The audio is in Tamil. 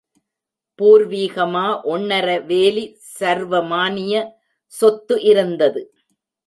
பூர்வீகமா ஒண்ணரை வேலி சர்வமானிய சொத்து இருந்தது.